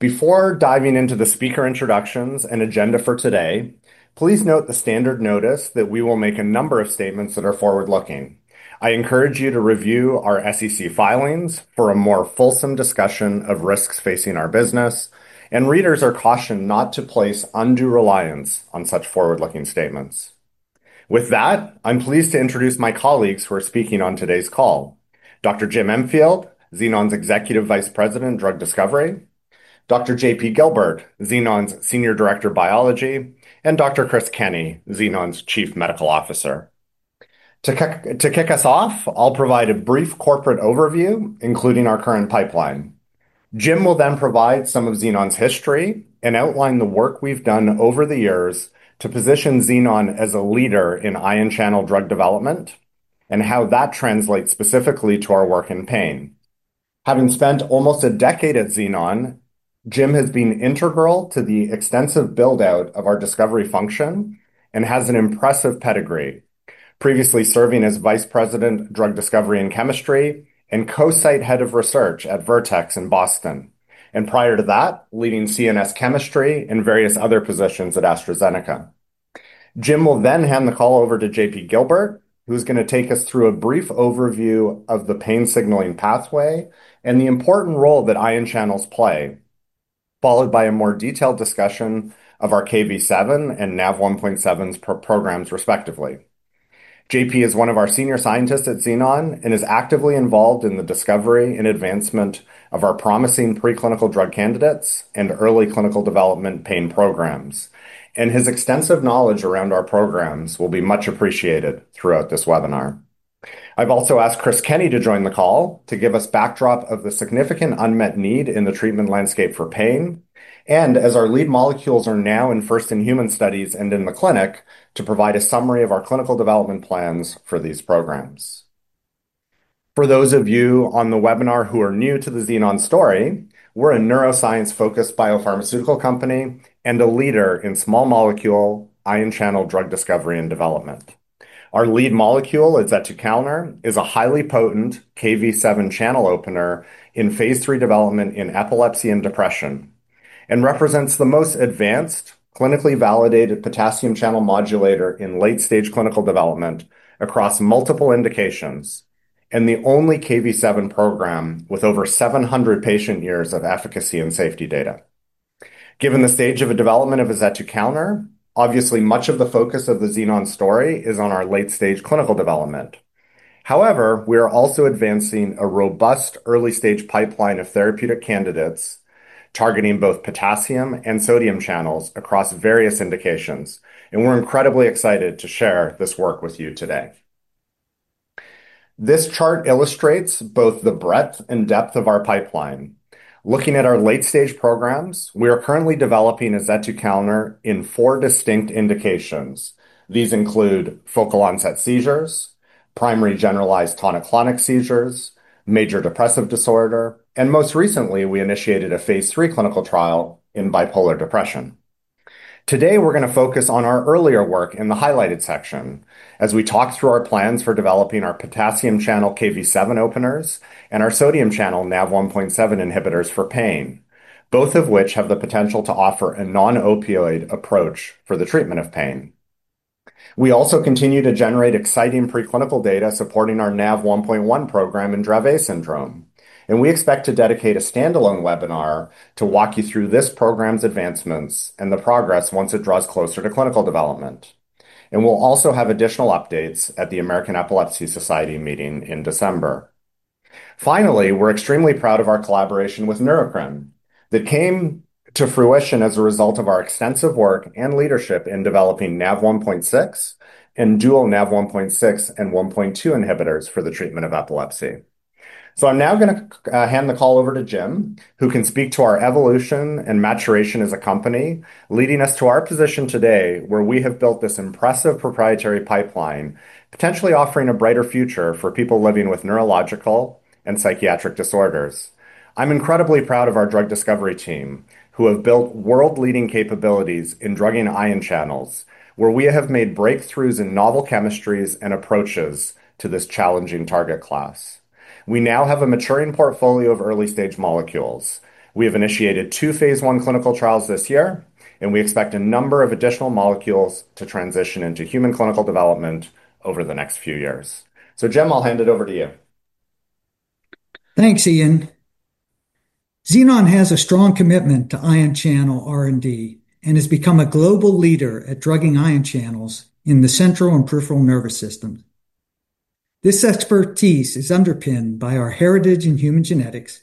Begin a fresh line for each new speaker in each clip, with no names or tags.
Before diving into the speaker introductions and agenda for today, please note the standard notice that we will make a number of statements that are forward-looking. I encourage you to review our SEC filings for a more fulsome discussion of risks facing our business, and readers are cautioned not to place undue reliance on such forward-looking statements. With that, I'm pleased to introduce my colleagues who are speaking on today's call: Dr. Jim Emfield, Xenon's Executive Vice President, Drug Discovery; Dr. JP Gilbert, Xenon's Senior Director of Biology; and Dr. Chris Kenney, Xenon's Chief Medical Officer. To kick us off, I'll provide a brief corporate overview, including our current pipeline. Jim will then provide some of Xenon's history and outline the work we've done over the years to position Xenon as a leader in ion channel drug development and how that translates specifically to our work in pain. Having spent almost a decade at Xenon, Jim has been integral to the extensive build-out of our discovery function and has an impressive pedigree, previously serving as Vice President, Drug Discovery and Chemistry, and Co-Site Head of Research at Vertex in Boston, and prior to that, leading CNS Chemistry and various other positions at AstraZeneca. Jim will then hand the call over to JP Gilbert, who's going to take us through a brief overview of the pain signaling pathway and the important role that ion channels play, followed by a more detailed discussion of our Kv7 and Nav1.7 programs, respectively. JP is one of our senior scientists at Xenon and is actively involved in the discovery and advancement of our promising preclinical drug candidates and early clinical development pain programs, and his extensive knowledge around our programs will be much appreciated throughout this webinar. I've also asked Chris Kenney to join the call to give us backdrop of the significant unmet need in the treatment landscape for pain and, as our lead molecules are now in first-in-human studies and in the clinic, to provide a summary of our clinical development plans for these programs. For those of you on the webinar who are new to the Xenon story, we're a neuroscience-focused biopharmaceutical company and a leader in small molecule ion channel drug discovery and development. Our lead molecule is azetukalner, a highly potent Kv7 channel opener in phase III development in epilepsy and depression, and represents the most advanced clinically validated potassium channel modulator in late-stage clinical development across multiple indications and the only Kv7 program with over 700 patient years of efficacy and safety data. Given the stage of development of azetukalner, obviously much of the focus of the Xenon story is on our late-stage clinical development. However, we are also advancing a robust early-stage pipeline of therapeutic candidates targeting both potassium and sodium channels across various indications, and we're incredibly excited to share this work with you today. This chart illustrates both the breadth and depth of our pipeline. Looking at our late-stage programs, we are currently developing azetukalner in four distinct indications. These include focal onset seizures, primary generalized tonic-clonic seizures, major depressive disorder, and most recently, we initiated a phase III clinical trial in bipolar depression. Today, we're going to focus on our earlier work in the highlighted section as we talk through our plans for developing our potassium channel Kv7 openers and our sodium channel Nav1.7 inhibitors for pain, both of which have the potential to offer a non-opioid approach for the treatment of pain. We also continue to generate exciting preclinical data supporting our Nav1.1 program in Dravet Syndrome, and we expect to dedicate a standalone webinar to walk you through this program's advancements and the progress once it draws closer to clinical development. We'll also have additional updates at the American Epilepsy Society meeting in December. Finally, we're extremely proud of our collaboration with NeuroPrint that came to fruition as a result of our extensive work and leadership in developing Nav1.6 and dual Nav1.6 and 1.2 inhibitors for the treatment of epilepsy. I'm now going to hand the call over to Jim, who can speak to our evolution and maturation as a company, leading us to our position today where we have built this impressive proprietary pipeline, potentially offering a brighter future for people living with neurological and psychiatric disorders. I'm incredibly proud of our drug discovery team, who have built world-leading capabilities in drugging ion channels, where we have made breakthroughs in novel chemistries and approaches to this challenging target class. We now have a maturing portfolio of early-stage molecules. We have initiated two phase I clinical trials this year, and we expect a number of additional molecules to transition into human clinical development over the next few years. Jim, I'll hand it over to you.
Thanks, Ian. Xenon has a strong commitment to ion channel R&D and has become a global leader at drugging ion channels in the central and peripheral nervous system. This expertise is underpinned by our heritage in human genetics,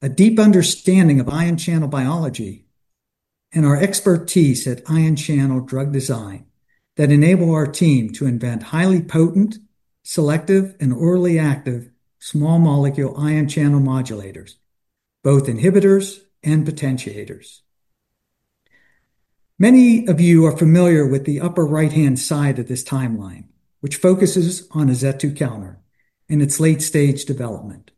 a deep understanding of ion channel biology, and our expertise at ion channel drug design that enable our team to invent highly potent, selective, and early active small molecule ion channel modulators, both inhibitors and potentiators. Many of you are familiar with the upper right-hand side of this timeline, which focuses on azetukalner in its late-stage development.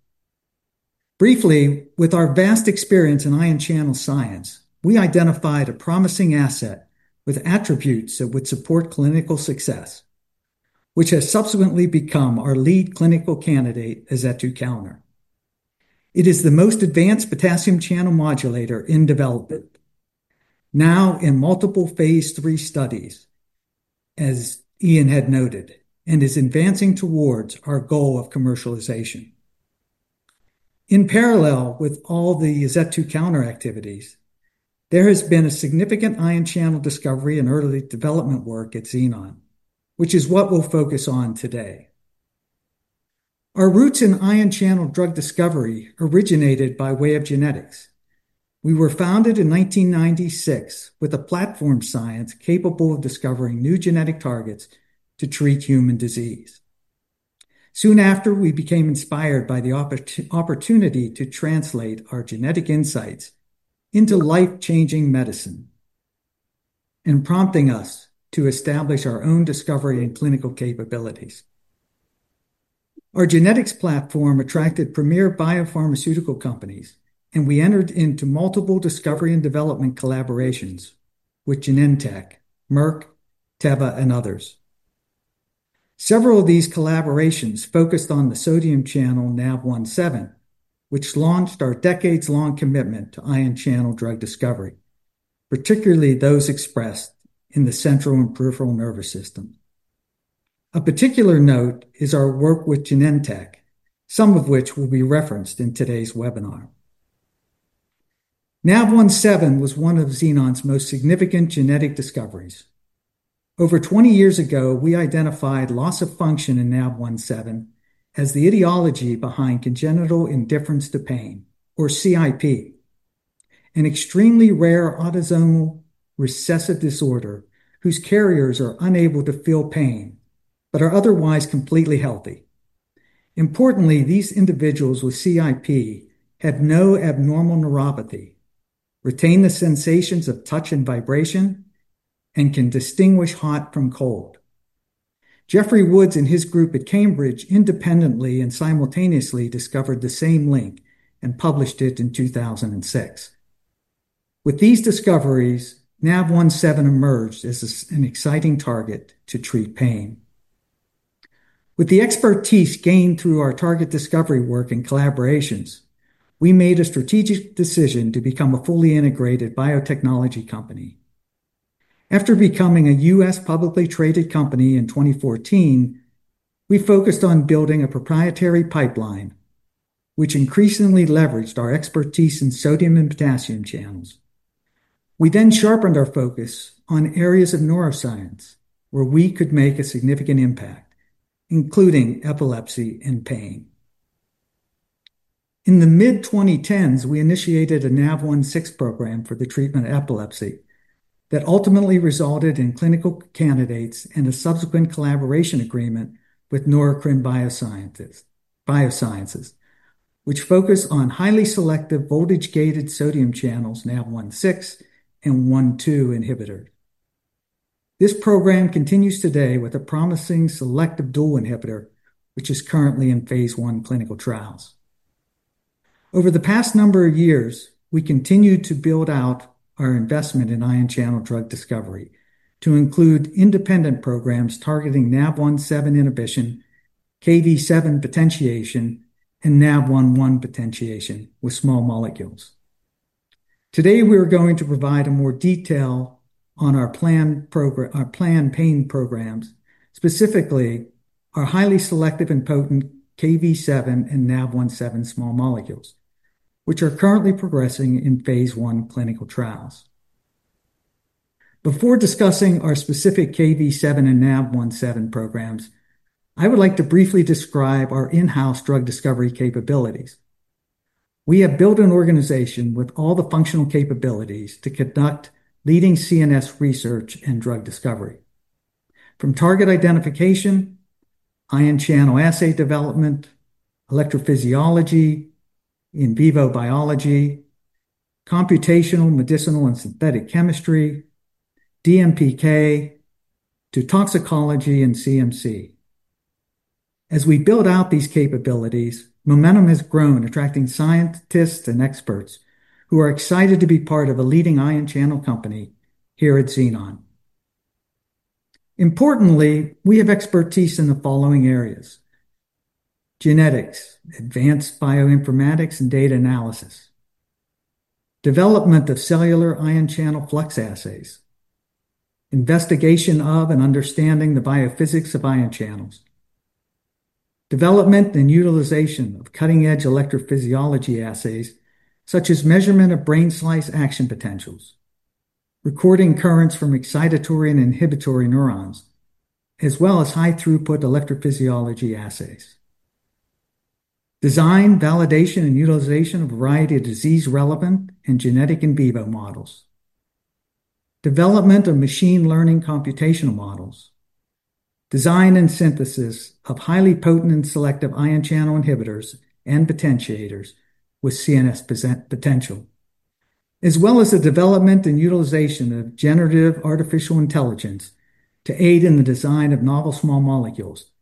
Briefly, with our vast experience in ion channel science, we identified a promising asset with attributes that would support clinical success, which has subsequently become our lead clinical candidate, azetukalner. It is the most advanced potassium channel modulator in development, now in multiple phase III studies, as Ian had noted, and is advancing towards our goal of commercialization. In parallel with all the azetukalner activities, there has been significant ion channel discovery and early development work at Xenon, which is what we'll focus on today. Our roots in ion channel drug discovery originated by way of genetics. We were founded in 1996 with a platform science capable of discovering new genetic targets to treat human disease. Soon after, we became inspired by the opportunity to translate our genetic insights into life-changing medicine, prompting us to establish our own discovery and clinical capabilities. Our genetics platform attracted premier biopharmaceutical companies, and we entered into multiple discovery and development collaborations with Genentech, Merck, Teva, and others. Several of these collaborations focused on the sodium channel Nav1.7, which belongs to our decades-long commitment to ion channel drug discovery, particularly those expressed in the central and peripheral nervous system. A particular note is our work with Genentech, some of which will be referenced in today's webinar. Nav1.7 was one of Xenon's most significant genetic discoveries. Over 20 years ago, we identified loss of function in Nav1.7 as the etiology behind congenital insensitivity to pain, or CIP, an extremely rare autosomal recessive disorder whose carriers are unable to feel pain but are otherwise completely healthy. Importantly, these individuals with CIP have no abnormal neuropathy, retain the sensations of touch and vibration, and can distinguish hot from cold. Jeffrey Woods and his group at Cambridge independently and simultaneously discovered the same link and published it in 2006. With these discoveries, Nav1.7 emerged as an exciting target to treat pain. With the expertise gained through our target discovery work and collaborations, we made a strategic decision to become a fully integrated biotechnology company. After becoming a U.S. publicly traded company in 2014, we focused on building a proprietary pipeline, which increasingly leveraged our expertise in sodium and potassium channels. We then sharpened our focus on areas of neuroscience where we could make a significant impact, including epilepsy and pain. In the mid-2010s, we initiated a Nav1.6 program for the treatment of epilepsy that ultimately resulted in clinical candidates and a subsequent collaboration agreement with NeuroPrint Biosciences, which focuses on highly selective voltage-gated sodium channels Nav1.6 and 1.2 inhibitors. This program continues today with a promising selective dual inhibitor, which is currently in phase I clinical trials. Over the past number of years, we continued to build out our investment in ion channel drug discovery to include independent programs targeting Nav1.7 inhibition, Kv7 potentiation, and Nav1.1 potentiation with small molecules. Today, we're going to provide more detail on our planned pain programs, specifically our highly selective and potent Kv7 and Nav1.7 small molecules, which are currently progressing in phase I clinical trials. Before discussing our specific Kv7 and Nav1.7 programs, I would like to briefly describe our in-house drug discovery capabilities. We have built an organization with all the functional capabilities to conduct leading CNS research and drug discovery, from target identification, ion channel assay development, electrophysiology, in vivo biology, computational medicinal and synthetic chemistry, DMPK, to toxicology and CMC. As we build out these capabilities, momentum has grown, attracting scientists and experts who are excited to be part of a leading ion channel company here at Xenon. Importantly, we have expertise in the following areas: genetics, advanced bioinformatics and data analysis, development of cellular ion channel flux assays, investigation of and understanding the biophysics of ion channels, development and utilization of cutting-edge electrophysiology assays, such as measurement of brain slice action potentials, recording currents from excitatory and inhibitory neurons, as well as high-throughput electrophysiology assays, design, validation, and utilization of a variety of disease-relevant and genetic in vivo models, development of machine learning computational models, design and synthesis of highly potent and selective ion channel inhibitors and potentiators with CNS potential, as well as the development and utilization of generative artificial intelligence to aid in the design of novel small molecules,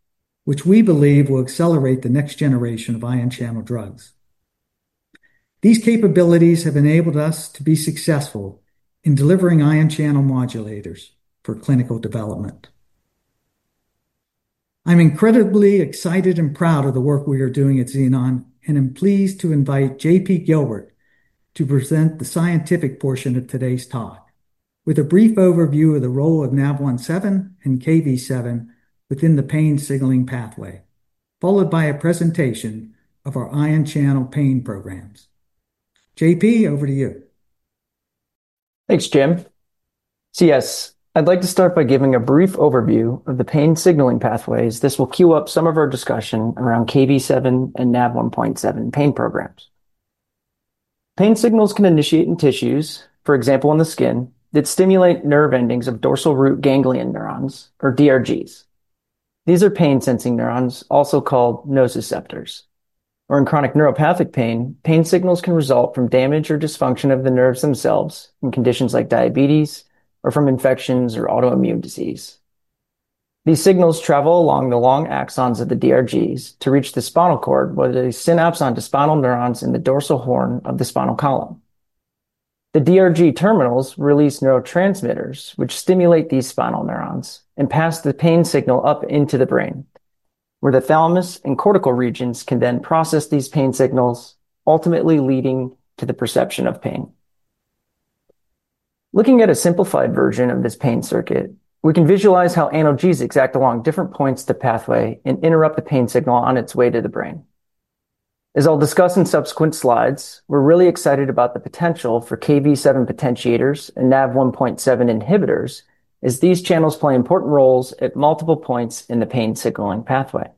which we believe will accelerate the next generation of ion channel drugs. These capabilities have enabled us to be successful in delivering ion channel modulators for clinical development. I'm incredibly excited and proud of the work we are doing at Xenon, and I'm pleased to invite JP Gilbert to present the scientific portion of today's talk with a brief overview of the role of Nav1.7 and Kv7 within the pain signaling pathway, followed by a presentation of our ion channel pain programs. JP, over to you.
Thanks, Jim. Yes, I'd like to start by giving a brief overview of the pain signaling pathways. This will queue up some of our discussion around Kv7 and Nav1.7 pain programs. Pain signals can initiate in tissues, for example, in the skin, that stimulate nerve endings of dorsal root ganglion neurons, or DRGs. These are pain-sensing neurons, also called nociceptors. In chronic neuropathic pain, pain signals can result from damage or dysfunction of the nerves themselves in conditions like diabetes or from infections or autoimmune disease. These signals travel along the long axons of the DRGs to reach the spinal cord, where they synapse onto spinal neurons in the dorsal horn of the spinal column. The DRG terminals release neurotransmitters, which stimulate these spinal neurons and pass the pain signal up into the brain, where the thalamus and cortical regions can then process these pain signals, ultimately leading to the perception of pain. Looking at a simplified version of this pain circuit, we can visualize how analgesics act along different points of the pathway and interrupt the pain signal on its way to the brain. As I'll discuss in subsequent slides, we're really excited about the potential for Kv7 potentiators and Nav1.7 inhibitors, as these channels play important roles at multiple points in the pain signaling pathway.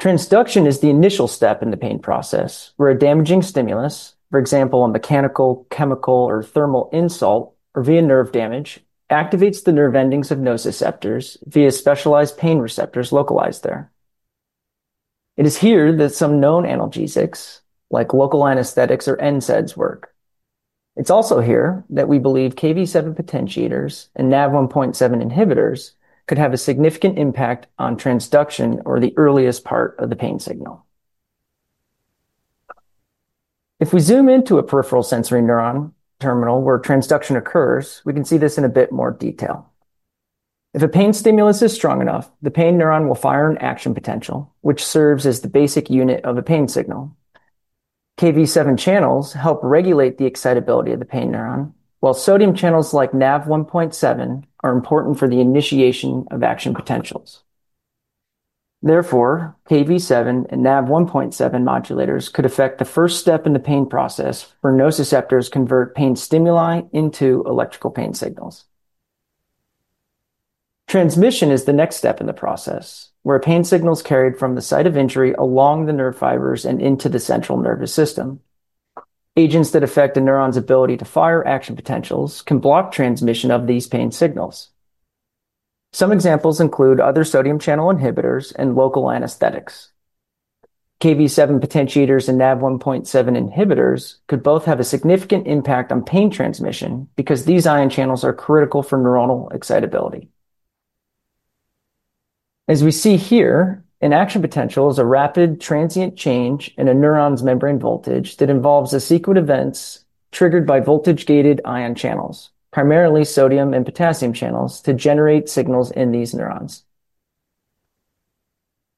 Transduction is the initial step in the pain process, where a damaging stimulus, for example, a mechanical, chemical, or thermal insult or via nerve damage, activates the nerve endings of nociceptors via specialized pain receptors localized there. It is here that some known analgesics, like local anesthetics or NSAIDs, work. It's also here that we believe Kv7 potentiators and Nav1.7 inhibitors could have a significant impact on transduction or the earliest part of the pain signal. If we zoom into a peripheral sensory neuron terminal where transduction occurs, we can see this in a bit more detail. If a pain stimulus is strong enough, the pain neuron will fire an action potential, which serves as the basic unit of a pain signal. Kv7 channels help regulate the excitability of the pain neuron, while sodium channels like Nav1.7 are important for the initiation of action potentials. Therefore, Kv7 and Nav1.7 modulators could affect the first step in the pain process, where nociceptors convert pain stimuli into electrical pain signals. Transmission is the next step in the process, where pain signals are carried from the site of injury along the nerve fibers and into the central nervous system. Agents that affect a neuron's ability to fire action potentials can block transmission of these pain signals. Some examples include other sodium channel inhibitors and local anesthetics. Kv7 potentiators and Nav1.7 inhibitors could both have a significant impact on pain transmission because these ion channels are critical for neuronal excitability. As we see here, an action potential is a rapid, transient change in a neuron's membrane voltage that involves a sequence of events triggered by voltage-gated ion channels, primarily sodium and potassium channels, to generate signals in these neurons.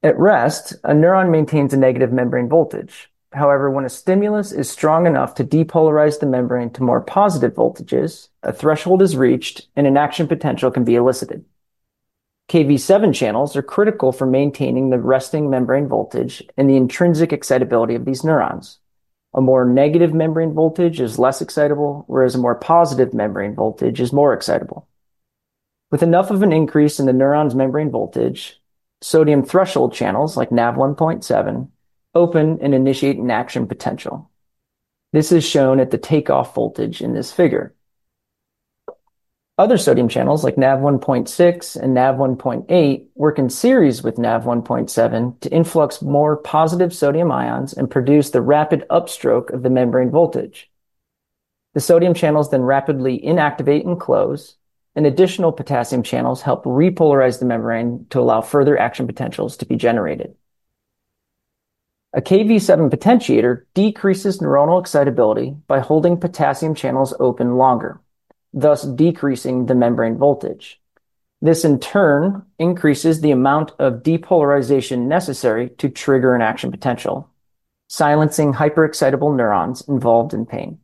At rest, a neuron maintains a negative membrane voltage. However, when a stimulus is strong enough to depolarize the membrane to more positive voltages, a threshold is reached and an action potential can be elicited. Kv7 channels are critical for maintaining the resting membrane voltage and the intrinsic excitability of these neurons. A more negative membrane voltage is less excitable, whereas a more positive membrane voltage is more excitable. With enough of an increase in the neuron's membrane voltage, sodium threshold channels like Nav1.7 open and initiate an action potential. This is shown at the takeoff voltage in this figure. Other sodium channels like Nav1.6 and Nav1.8 work in series with Nav1.7 to influx more positive sodium ions and produce the rapid upstroke of the membrane voltage. The sodium channels then rapidly inactivate and close, and additional potassium channels help repolarize the membrane to allow further action potentials to be generated. A Kv7 potentiator decreases neuronal excitability by holding potassium channels open longer, thus decreasing the membrane voltage. This, in turn, increases the amount of depolarization necessary to trigger an action potential, silencing hyperexcitable neurons involved in pain.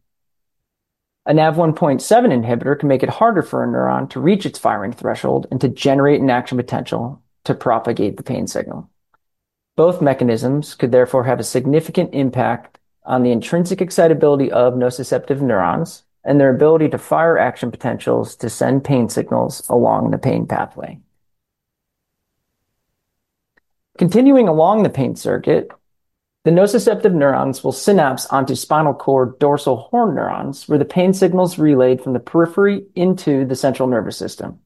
A Nav1.7 inhibitor can make it harder for a neuron to reach its firing threshold and to generate an action potential to propagate the pain signal. Both mechanisms could therefore have a significant impact on the intrinsic excitability of nociceptive neurons and their ability to fire action potentials to send pain signals along the pain pathway. Continuing along the pain circuit, the nociceptive neurons will synapse onto spinal cord dorsal horn neurons, where the pain signal is relayed from the periphery into the central nervous system.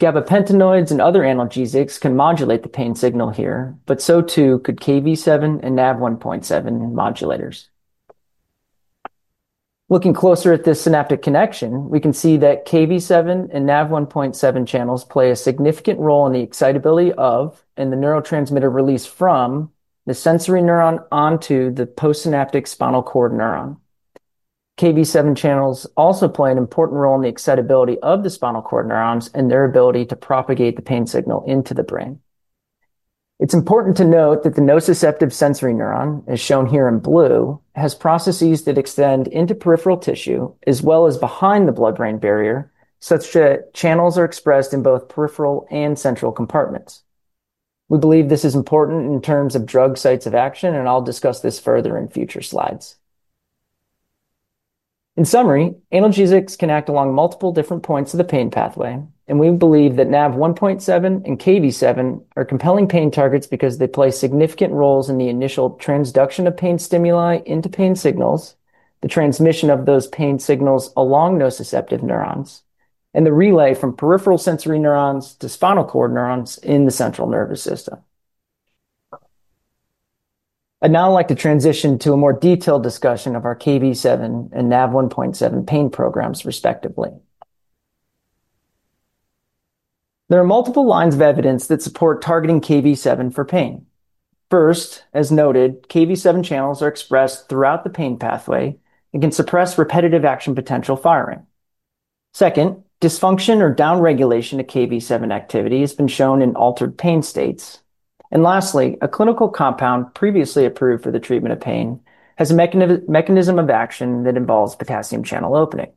Gabapentinoids and other analgesics can modulate the pain signal here, but so too could Kv7 and Nav1.7 modulators. Looking closer at this synaptic connection, we can see that Kv7 and Nav1.7 channels play a significant role in the excitability of and the neurotransmitter release from the sensory neuron onto the postsynaptic spinal cord neuron. Kv7 channels also play an important role in the excitability of the spinal cord neurons and their ability to propagate the pain signal into the brain. It's important to note that the nociceptive sensory neuron, as shown here in blue, has processes that extend into peripheral tissue as well as behind the blood-brain barrier, such that channels are expressed in both peripheral and central compartments. We believe this is important in terms of drug sites of action, and I'll discuss this further in future slides. In summary, analgesics can act along multiple different points of the pain pathway, and we believe that Nav1.7 and Kv7 are compelling pain targets because they play significant roles in the initial transduction of pain stimuli into pain signals, the transmission of those pain signals along nociceptive neurons, and the relay from peripheral sensory neurons to spinal cord neurons in the central nervous system. I'd now like to transition to a more detailed discussion of our Kv7 and Nav1.7 pain programs, respectively. There are multiple lines of evidence that support targeting Kv7 for pain. First, as noted, Kv7 channels are expressed throughout the pain pathway and can suppress repetitive action potential firing. Second, dysfunction or down-regulation of Kv7 activity has been shown in altered pain states. Lastly, a clinical compound previously approved for the treatment of pain has a mechanism of action that involves potassium channel opening.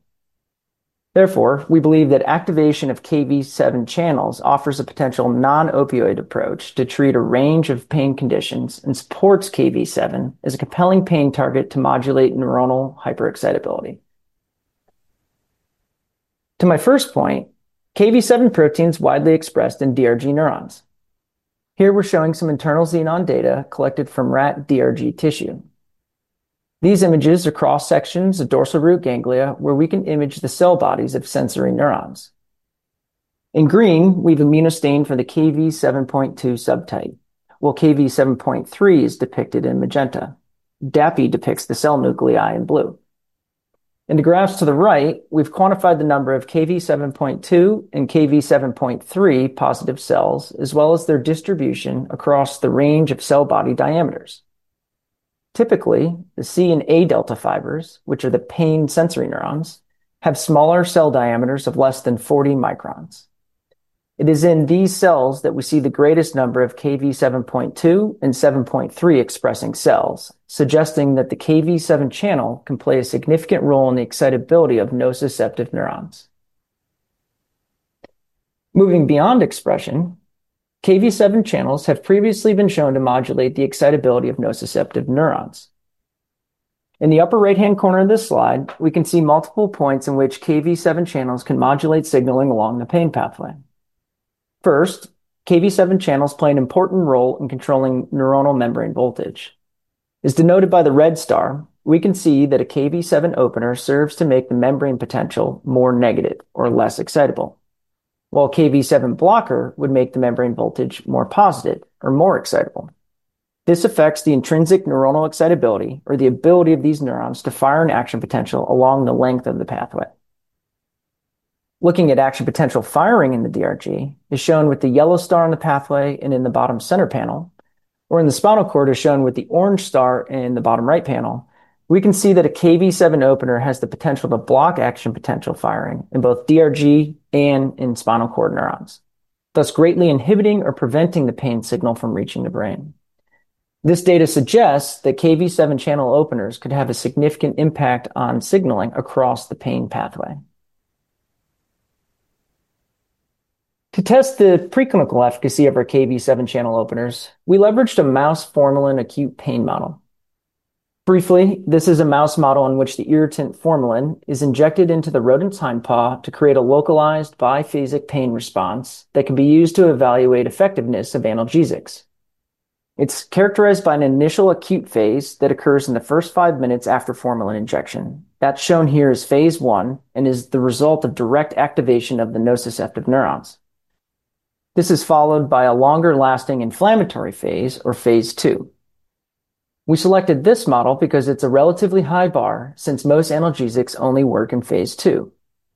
Therefore, we believe that activation of Kv7 channels offers a potential non-opioid approach to treat a range of pain conditions and supports Kv7 as a compelling pain target to modulate neuronal hyperexcitability. To my first point, Kv7 proteins are widely expressed in DRG neurons. Here, we're showing some internal Xenon data collected from rat DRG tissue. These images are cross-sections of dorsal root ganglia where we can image the cell bodies of sensory neurons. In green, we've immunostained for the Kv7.2 subtype, while Kv7.3 is depicted in magenta. DAPI depicts the cell nuclei in blue. In the graphs to the right, we've quantified the number of Kv7.2 and Kv7.3 positive cells, as well as their distribution across the range of cell body diameters. Typically, the C and A delta fibers, which are the pain sensory neurons, have smaller cell diameters of less than 40 μm. It is in these cells that we see the greatest number of Kv7.2 and Kv7.3 expressing cells, suggesting that the Kv7 channel can play a significant role in the excitability of nociceptive neurons. Moving beyond expression, Kv7 channels have previously been shown to modulate the excitability of nociceptive neurons. In the upper right-hand corner of this slide, we can see multiple points in which Kv7 channels can modulate signaling along the pain pathway. First, Kv7 channels play an important role in controlling neuronal membrane voltage. As denoted by the red star, we can see that a Kv7 opener serves to make the membrane potential more negative or less excitable, while a Kv7 blocker would make the membrane voltage more positive or more excitable. This affects the intrinsic neuronal excitability or the ability of these neurons to fire an action potential along the length of the pathway. Looking at action potential firing in the DRG is shown with the yellow star in the pathway and in the bottom center panel, or in the spinal cord is shown with the orange star in the bottom right panel. We can see that a Kv7 opener has the potential to block action potential firing in both DRG and in spinal cord neurons, thus greatly inhibiting or preventing the pain signal from reaching the brain. This data suggests that Kv7 channel openers could have a significant impact on signaling across the pain pathway. To test the preclinical efficacy of our Kv7 channel openers, we leveraged a mouse formalin acute pain model. Briefly, this is a mouse model in which the irritant formalin is injected into the rodent's hind paw to create a localized biphasic pain response that can be used to evaluate effectiveness of analgesics. It's characterized by an initial acute phase that occurs in the first five minutes after formalin injection. That's shown here as phase I and is the result of direct activation of the nociceptive neurons. This is followed by a longer-lasting inflammatory phase, or phase II. We selected this model because it's a relatively high bar since most analgesics only work in phase II,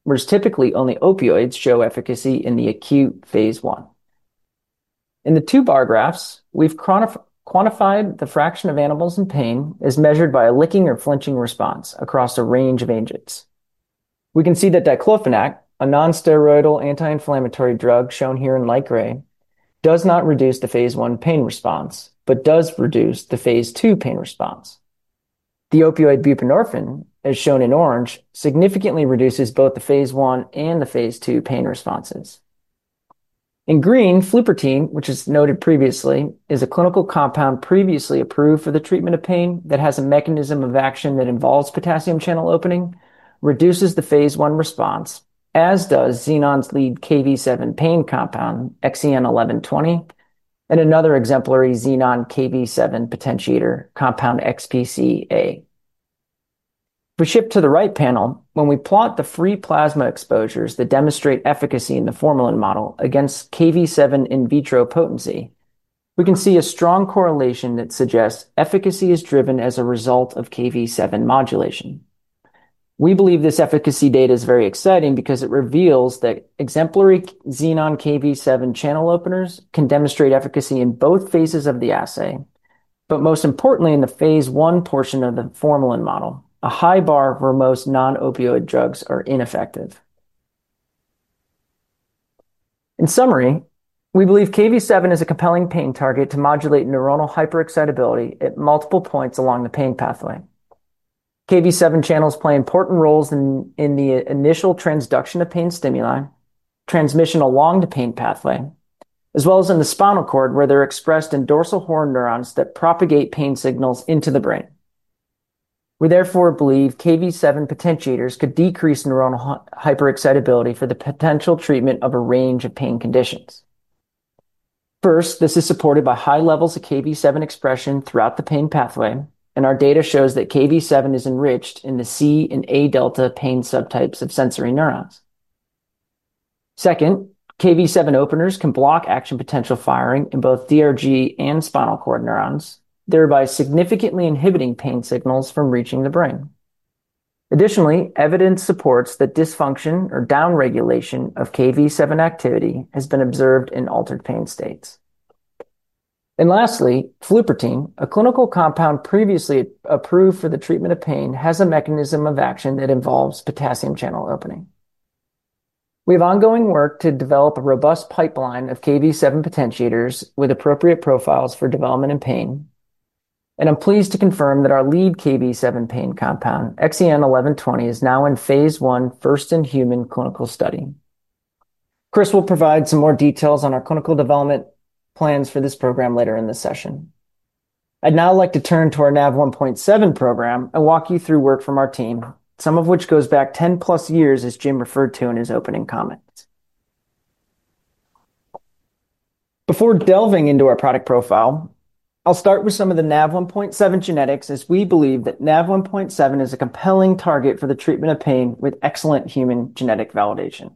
whereas typically only opioids show efficacy in the acute phase I. In the two bar graphs, we've quantified the fraction of animals in pain as measured by a licking or flinching response across a range of agents. We can see that diclofenac, a nonsteroidal anti-inflammatory drug shown here in light gray, does not reduce the phase I pain response but does reduce the phase II pain response. The opioid buprenorphine, as shown in orange, significantly reduces both the phase I and the phase II pain responses. In green, flupirtine, which is noted previously, is a clinical compound previously approved for the treatment of pain that has a mechanism of action that involves potassium channel opening, reduces the phase I response, as does Xenon's lead Kv7 pain compound, XEN1120, and another exemplary Xenon Kv7 potentiator, compound XPCA. If we shift to the right panel, when we plot the free plasma exposures that demonstrate efficacy in the formalin model against Kv7 in vitro potency, we can see a strong correlation that suggests efficacy is driven as a result of Kv7 modulation. We believe this efficacy data is very exciting because it reveals that exemplary Xenon Kv7 channel openers can demonstrate efficacy in both phases of the assay, but most importantly, in the phase I portion of the formalin model, a high bar for most non-opioid drugs are ineffective. In summary, we believe Kv7 is a compelling pain target to modulate neuronal hyperexcitability at multiple points along the pain pathway. Kv7 channels play important roles in the initial transduction of pain stimuli, transmission along the pain pathway, as well as in the spinal cord where they're expressed in dorsal horn neurons that propagate pain signals into the brain. We therefore believe Kv7 potentiators could decrease neuronal hyperexcitability for the potential treatment of a range of pain conditions. First, this is supported by high levels of Kv7 expression throughout the pain pathway, and our data shows that Kv7 is enriched in the C and A delta pain subtypes of sensory neurons. Second, Kv7 openers can block action potential firing in both DRG and spinal cord neurons, thereby significantly inhibiting pain signals from reaching the brain. Additionally, evidence supports that dysfunction or down-regulation of Kv7 activity has been observed in altered pain states. Lastly, flupirtine, a clinical compound previously approved for the treatment of pain, has a mechanism of action that involves potassium channel opening. We have ongoing work to develop a robust pipeline of Kv7 potentiators with appropriate profiles for development in pain, and I'm pleased to confirm that our lead Kv7 pain compound, XEN1120, is now in phase I, first-in-human clinical study. Chris will provide some more details on our clinical development plans for this program later in the session. I'd now like to turn to our Nav1.7 program and walk you through work from our team, some of which goes back 10+ years, as Jim referred to in his opening comments. Before delving into our product profile, I'll start with some of the Nav1.7 genetics, as we believe that Nav1.7 is a compelling target for the treatment of pain with excellent human genetic validation.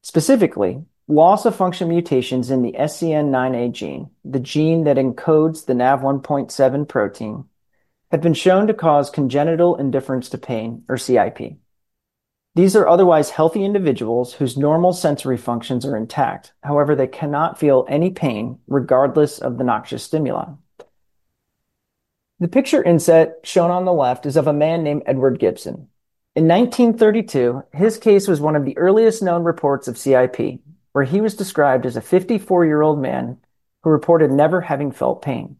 Specifically, loss of function mutations in the SCN9A gene, the gene that encodes the Nav1.7 protein, have been shown to cause congenital insensitivity to pain, or CIP. These are otherwise healthy individuals whose normal sensory functions are intact, however, they cannot feel any pain regardless of the noxious stimuli. The picture inset shown on the left is of a man named Edward Gibson. In 1932, his case was one of the earliest known reports of CIP, where he was described as a 54-year-old man who reported never having felt pain,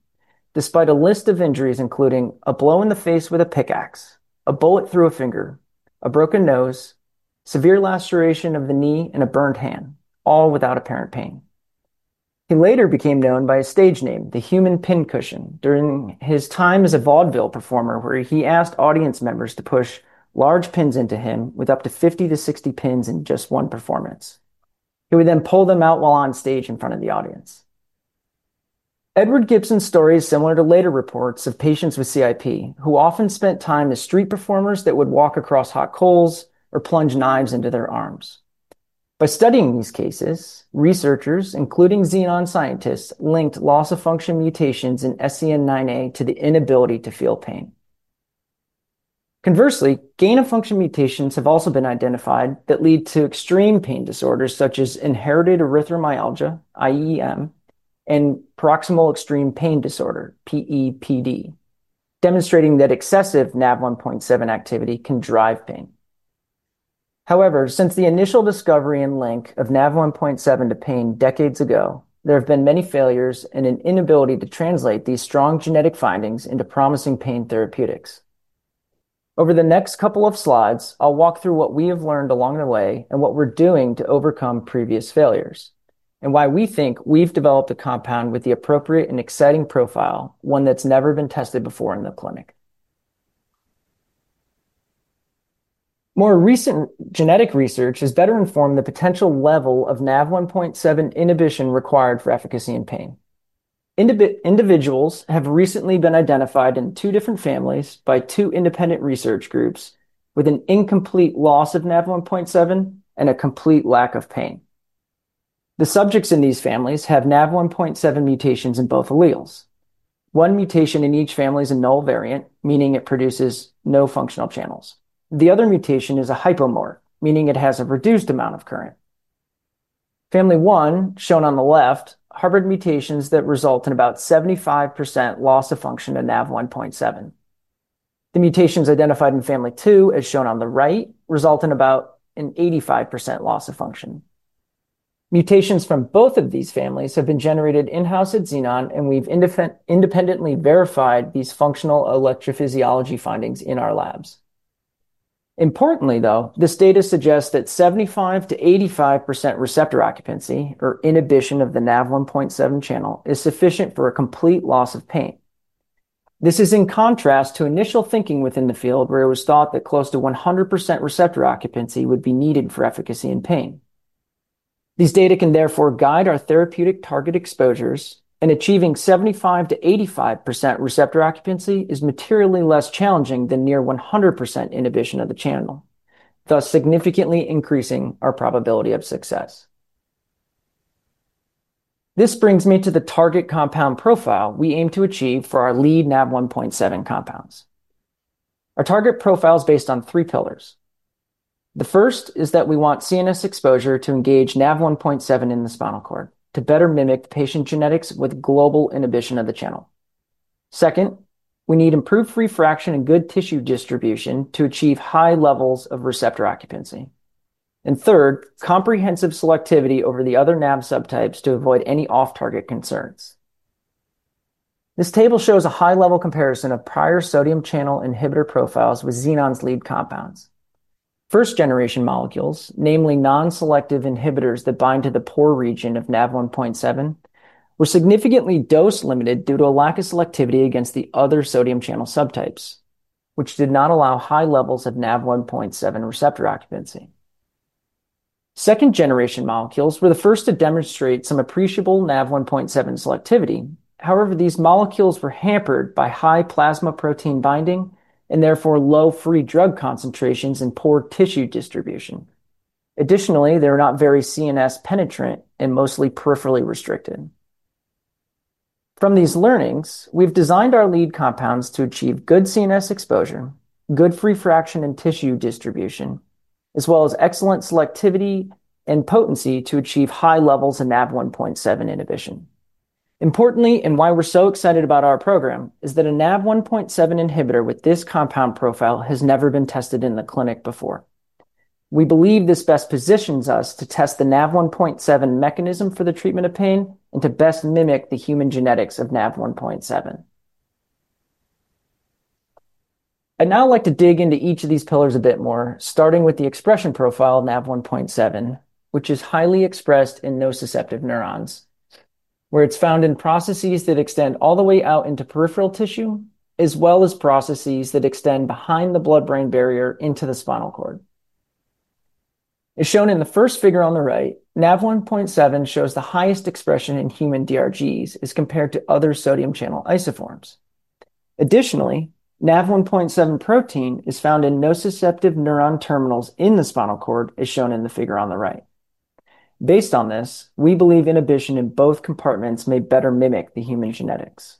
despite a list of injuries including a blow in the face with a pickaxe, a bullet through a finger, a broken nose, severe laceration of the knee, and a burned hand, all without apparent pain. He later became known by his stage name, the Human Pin Cushion, during his time as a vaudeville performer, where he asked audience members to push large pins into him with up to 50-60 pins in just one performance. He would then pull them out while on stage in front of the audience. Edward Gibson's story is similar to later reports of patients with CIP who often spent time as street performers that would walk across hot coals or plunge knives into their arms. By studying these cases, researchers, including Xenon scientists, linked loss of function mutations in SCN9A to the inability to feel pain. Conversely, gain of function mutations have also been identified that lead to extreme pain disorders such as inherited erythromelalgia, IEM, and paroxysmal extreme pain disorder, PEPD, demonstrating that excessive Nav1.7 activity can drive pain. However, since the initial discovery and link of Nav1.7 to pain decades ago, there have been many failures and an inability to translate these strong genetic findings into promising pain therapeutics. Over the next couple of slides, I'll walk through what we have learned along the way and what we're doing to overcome previous failures and why we think we've developed a compound with the appropriate and exciting profile, one that's never been tested before in the clinic. More recent genetic research has better informed the potential level of Nav1.7 inhibition required for efficacy in pain. Individuals have recently been identified in two different families by two independent research groups with an incomplete loss of Nav1.7 and a complete lack of pain. The subjects in these families have Nav1.7 mutations in both alleles. One mutation in each family is a null variant, meaning it produces no functional channels. The other mutation is a hypomorph, meaning it has a reduced amount of current. Family one, shown on the left, harbored mutations that result in about 75% loss of function to Nav1.7. The mutations identified in family two, as shown on the right, result in about an 85% loss of function. Mutations from both of these families have been generated in-house at Xenon, and we've independently verified these functional electrophysiology findings in our labs. Importantly, though, this data suggests that 75%-85% receptor occupancy or inhibition of the Nav1.7 channel is sufficient for a complete loss of pain. This is in contrast to initial thinking within the field, where it was thought that close to 100% receptor occupancy would be needed for efficacy in pain. These data can therefore guide our therapeutic target exposures, and achieving 75%-85% receptor occupancy is materially less challenging than near 100% inhibition of the channel, thus significantly increasing our probability of success. This brings me to the target compound profile we aim to achieve for our lead Nav1.7 compounds. Our target profile is based on three pillars. The first is that we want CNS exposure to engage Nav1.7 in the spinal cord to better mimic patient genetics with global inhibition of the channel. Second, we need improved free fraction and good tissue distribution to achieve high levels of receptor occupancy. Third, comprehensive selectivity over the other Nav subtypes to avoid any off-target concerns. This table shows a high-level comparison of prior sodium channel inhibitor profiles with Xenon's lead compounds. First-generation molecules, namely non-selective inhibitors that bind to the pore region of Nav1.7, were significantly dose-limited due to a lack of selectivity against the other sodium channel subtypes, which did not allow high levels of Nav1.7 receptor occupancy. Second-generation molecules were the first to demonstrate some appreciable Nav1.7 selectivity. However, these molecules were hampered by high plasma protein binding and therefore low free drug concentrations and poor tissue distribution. Additionally, they were not very CNS-penetrant and mostly peripherally restricted. From these learnings, we've designed our lead compounds to achieve good CNS exposure, good free fraction and tissue distribution, as well as excellent selectivity and potency to achieve high levels of Nav1.7 inhibition. Importantly, and why we're so excited about our program, is that a Nav1.7 inhibitor with this compound profile has never been tested in the clinic before. We believe this best positions us to test the Nav1.7 mechanism for the treatment of pain and to best mimic the human genetics of Nav1.7. I'd now like to dig into each of these pillars a bit more, starting with the expression profile of Nav1.7, which is highly expressed in nociceptive neurons, where it's found in processes that extend all the way out into peripheral tissue, as well as processes that extend behind the blood-brain barrier into the spinal cord. As shown in the first figure on the right, Nav1.7 shows the highest expression in human DRGs as compared to other sodium channel isoforms. Additionally, Nav1.7 protein is found in nociceptive neuron terminals in the spinal cord, as shown in the figure on the right. Based on this, we believe inhibition in both compartments may better mimic the human genetics.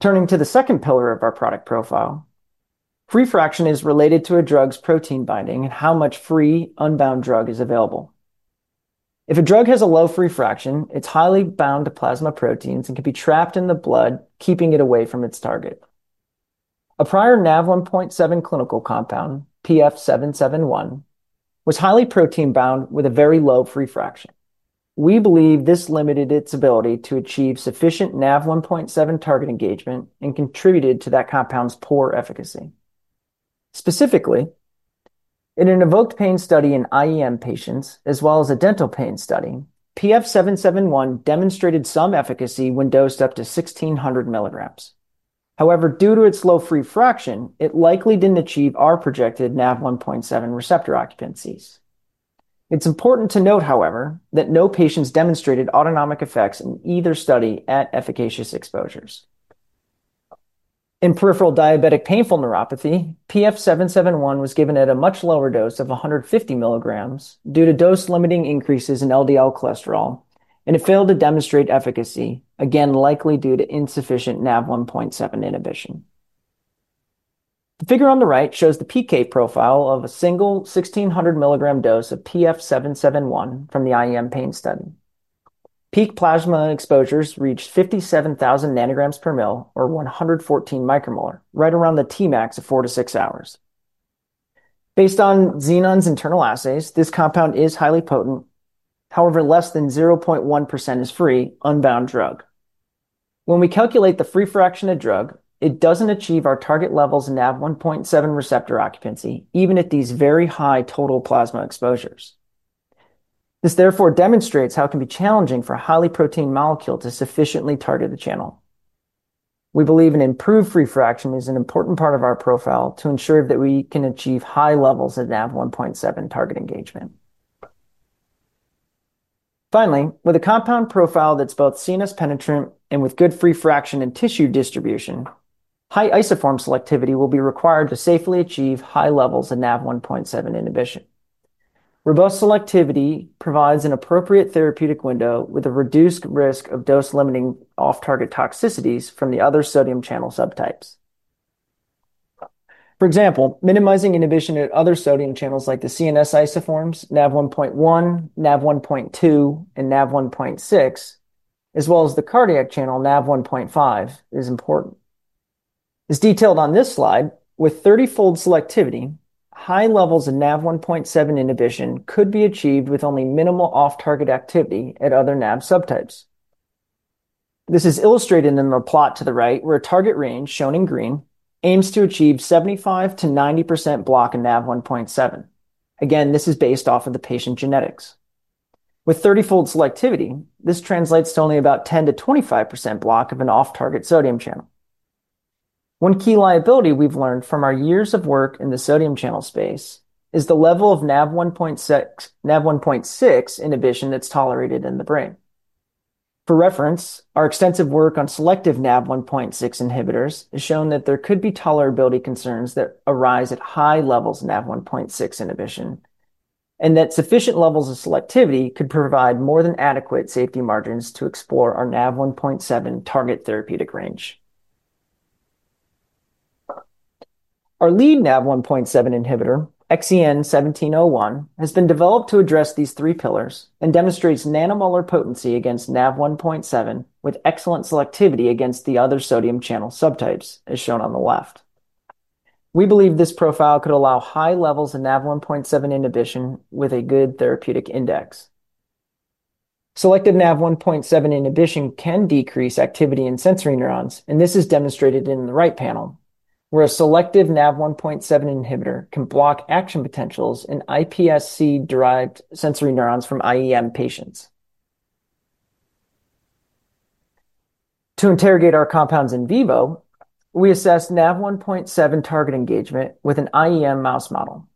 Turning to the second pillar of our product profile, free fraction is related to a drug's protein binding and how much free unbound drug is available. If a drug has a low free fraction, it's highly bound to plasma proteins and can be trapped in the blood, keeping it away from its target. A prior Nav1.7 clinical compound, PF-771, was highly protein-bound with a very low free fraction. We believe this limited its ability to achieve sufficient Nav1.7 target engagement and contributed to that compound's poor efficacy. Specifically, in an evoked pain study in IEM patients, as well as a dental pain study, PF-771 demonstrated some efficacy when dosed up to 1,600 mg. However, due to its low free fraction, it likely didn't achieve our projected Nav1.7 receptor occupancies. It's important to note, however, that no patients demonstrated autonomic effects in either study at efficacious exposures. In peripheral diabetic painful neuropathy, PF-771 was given at a much lower dose of 150 mg due to dose-limiting increases in LDL cholesterol, and it failed to demonstrate efficacy, again likely due to insufficient Nav1.7 inhibition. The figure on the right shows the PK profile of a single 1,600 mg dose of PF-771 from the IEM pain study. Peak plasma exposures reached 57,000 ng per mL, or 114 μM, right around the T-max of four to six hours. Based on Xenon's internal assays, this compound is highly potent; however, less than 0.1% is free unbound drug. When we calculate the free fraction of drug, it doesn't achieve our target levels of Nav1.7 receptor occupancy, even at these very high total plasma exposures. This therefore demonstrates how it can be challenging for a highly protein-bound molecule to sufficiently target the channel. We believe an improved free fraction is an important part of our profile to ensure that we can achieve high levels of Nav1.7 target engagement. Finally, with a compound profile that's both CNS-penetrant and with good free fraction and tissue distribution, high isoform selectivity will be required to safely achieve high levels of Nav1.7 inhibition. Robust selectivity provides an appropriate therapeutic window with a reduced risk of dose-limiting off-target toxicities from the other sodium channel subtypes. For example, minimizing inhibition at other sodium channels like the CNS isoforms, Nav1.1, Nav1.2, and Nav1.6, as well as the cardiac channel, Nav1.5, is important. As detailed on this slide, with 30-fold selectivity, high levels of Nav1.7 inhibition could be achieved with only minimal off-target activity at other Nav subtypes. This is illustrated in the plot to the right, where a target range, shown in green, aims to achieve 75%-90% block in Nav1.7. Again, this is based off of the patient genetics. With 30-fold selectivity, this translates to only about 10%-25% block of an off-target sodium channel. One key liability we've learned from our years of work in the sodium channel space is the level of Nav1.6 inhibition that's tolerated in the brain. For reference, our extensive work on selective Nav1.6 inhibitors has shown that there could be tolerability concerns that arise at high levels of Nav1.6 inhibition and that sufficient levels of selectivity could provide more than adequate safety margins to explore our Nav1.7 target therapeutic range. Our lead Nav1.7 inhibitor, XEN1701, has been developed to address these three pillars and demonstrates nanomolar potency against Nav1.7 with excellent selectivity against the other sodium channel subtypes, as shown on the left. We believe this profile could allow high levels of Nav1.7 inhibition with a good therapeutic index. Selective Nav1.7 inhibition can decrease activity in sensory neurons, and this is demonstrated in the right panel, where a selective Nav1.7 inhibitor can block action potentials in IPSC-derived sensory neurons from IEM patients. To interrogate our compounds in vivo, we assessed Nav1.7 target engagement with an IEM mouse model.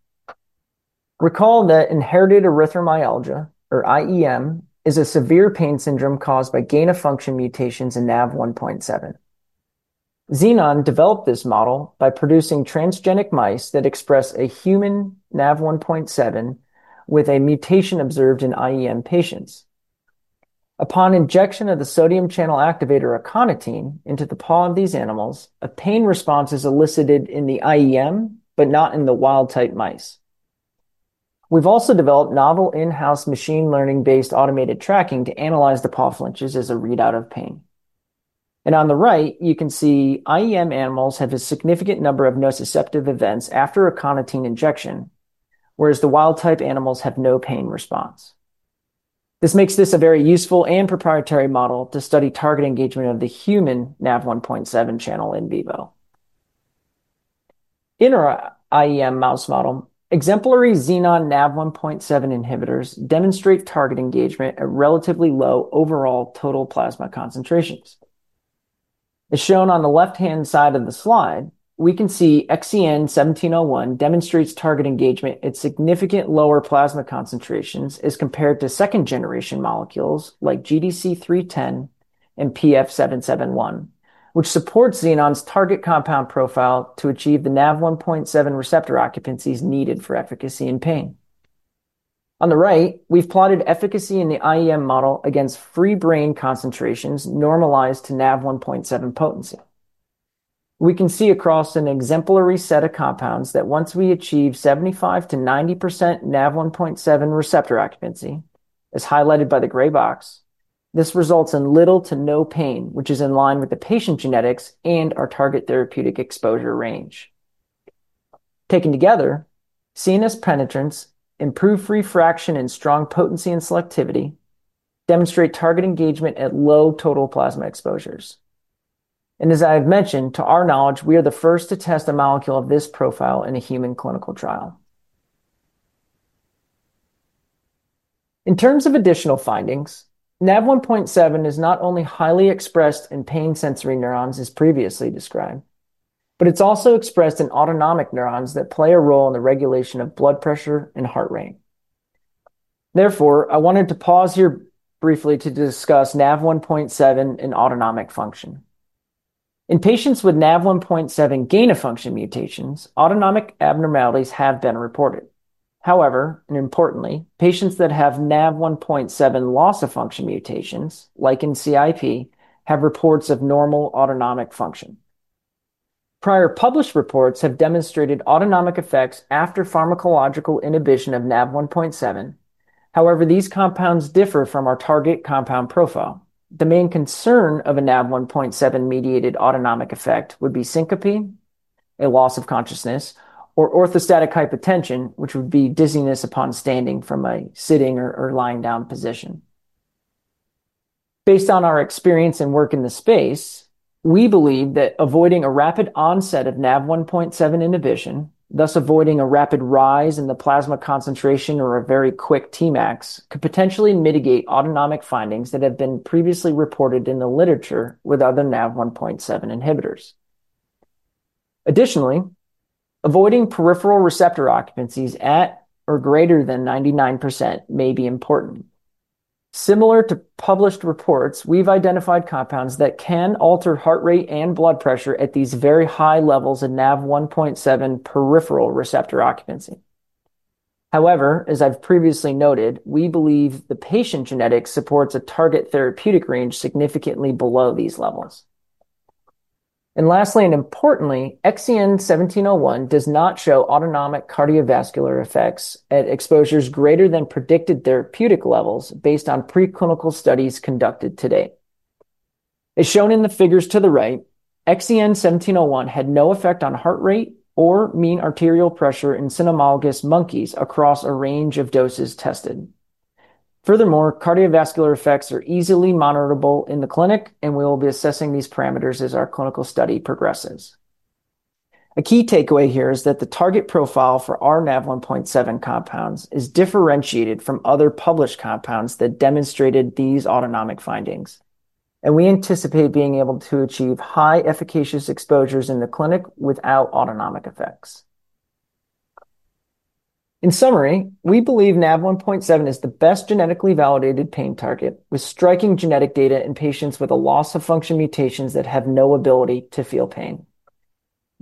Recall that inherited erythromyalgia, or IEM, is a severe pain syndrome caused by gain of function mutations in Nav1.7. Xenon developed this model by producing transgenic mice that express a human Nav1.7 with a mutation observed in IEM patients. Upon injection of the sodium channel activator, aconitine, into the paw of these animals, a pain response is elicited in the IEM but not in the wild-type mice. We've also developed novel in-house machine learning-based automated tracking to analyze the paw flinches as a readout of pain. On the right, you can see IEM animals have a significant number of nociceptive events after aconitine injection, whereas the wild-type animals have no pain response. This makes this a very useful and proprietary model to study target engagement of the human Nav1.7 channel in vivo. In our IEM mouse model, exemplary Xenon Nav1.7 inhibitors demonstrate target engagement at relatively low overall total plasma concentrations. As shown on the left-hand side of the slide, we can see XEN1701 demonstrates target engagement at significantly lower plasma concentrations as compared to second-generation molecules like GDC-0310 and PF-771, which support Xenon's target compound profile to achieve the Nav1.7 receptor occupancies needed for efficacy in pain. On the right, we've plotted efficacy in the IEM model against free brain concentrations normalized to Nav1.7 potency. We can see across an exemplary set of compounds that once we achieve 75%-90% Nav1.7 receptor occupancy, as highlighted by the gray box, this results in little to no pain, which is in line with the patient genetics and our target therapeutic exposure range. Taken together, CNS penetrance, improved free fraction, and strong potency and selectivity demonstrate target engagement at low total plasma exposures. As I have mentioned, to our knowledge, we are the first to test a molecule of this profile in a human clinical trial. In terms of additional findings, Nav1.7 is not only highly expressed in pain sensory neurons, as previously described, but it's also expressed in autonomic neurons that play a role in the regulation of blood pressure and heart rate. Therefore, I wanted to pause here briefly to discuss Nav1.7 in autonomic function. In patients with Nav1.7 gain of function mutations, autonomic abnormalities have been reported. However, and importantly, patients that have Nav1.7 loss of function mutations, like in CIP, have reports of normal autonomic function. Prior published reports have demonstrated autonomic effects after pharmacological inhibition of Nav1.7. However, these compounds differ from our target compound profile. The main concern of a Nav1.7-mediated autonomic effect would be syncope, a loss of consciousness, or orthostatic hypotension, which would be dizziness upon standing from a sitting or lying down position. Based on our experience and work in the space, we believe that avoiding a rapid onset of Nav1.7 inhibition, thus avoiding a rapid rise in the plasma concentration or a very quick T-max, could potentially mitigate autonomic findings that have been previously reported in the literature with other Nav1.7 inhibitors. Additionally, avoiding peripheral receptor occupancies at or greater than 99% may be important. Similar to published reports, we've identified compounds that can alter heart rate and blood pressure at these very high levels of Nav1.7 peripheral receptor occupancy. However, as I've previously noted, we believe the patient genetics supports a target therapeutic range significantly below these levels. Lastly, and importantly, XEN1701 does not show autonomic cardiovascular effects at exposures greater than predicted therapeutic levels based on preclinical studies conducted to date. As shown in the figures to the right, XEN1701 had no effect on heart rate or mean arterial pressure in cynomolgus monkeys across a range of doses tested. Furthermore, cardiovascular effects are easily monitorable in the clinic, and we will be assessing these parameters as our clinical study progresses. A key takeaway here is that the target profile for our Nav1.7 compounds is differentiated from other published compounds that demonstrated these autonomic findings, and we anticipate being able to achieve high efficacious exposures in the clinic without autonomic effects. In summary, we believe Nav1.7 is the best genetically validated pain target with striking genetic data in patients with loss of function mutations that have no ability to feel pain.